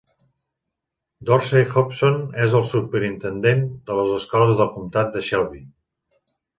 Dorsey Hopson és el superintendent de les escoles del comtat de Shelby.